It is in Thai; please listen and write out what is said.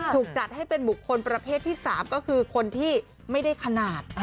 ถูกจัดให้เป็นบุคคลประเภทที่๓ก็คือคนที่ไม่ได้ขนาด